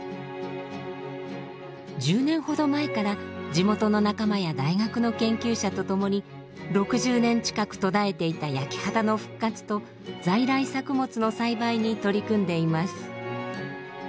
１０年ほど前から地元の仲間や大学の研究者と共に６０年近く途絶えていた焼き畑の復活と在来作物の栽培に取り組んでいます。